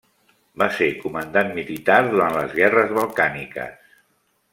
Va ser comandant militar durant les Guerres Balcàniques.